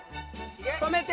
止めて。